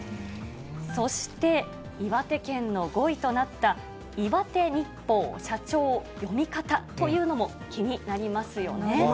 そして岩手県の５位となった、岩手日報、社長、読み方というのも気になりますよね。